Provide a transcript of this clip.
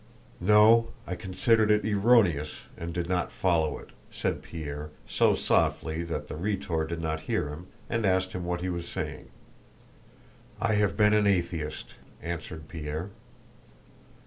"No, I considered it erroneous and did not follow it," said Pierre, so softly that the Rhetor did not hear him and asked him what he was saying. "I have been an atheist," answered Pierre.